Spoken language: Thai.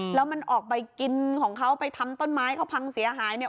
แล้วมันออกไปกินของเขาไปทำต้นไม้เขาพังเสียหายเนี่ย